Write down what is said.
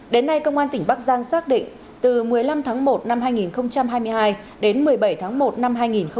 đến nay công an tỉnh bắc giang xác định từ một mươi năm tháng một năm hai nghìn hai mươi hai đến một mươi bảy tháng một năm hai nghìn hai mươi ba